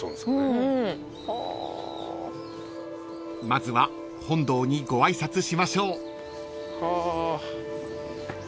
［まずは本堂にご挨拶しましょう］